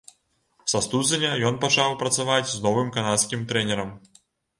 Са студзеня ён пачаў працаваць з новым канадскім трэнерам.